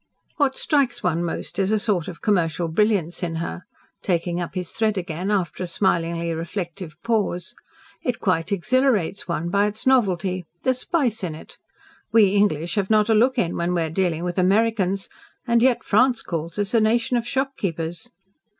"What strikes one most is a sort of commercial brilliance in her," taking up his thread again after a smilingly reflective pause. "It quite exhilarates one by its novelty. There's spice in it. We English have not a look in when we are dealing with Americans, and yet France calls us a nation of shopkeepers.